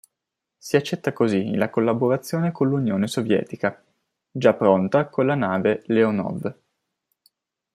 Si accetta così la collaborazione con l'Unione Sovietica, già pronta con la nave "Leonov".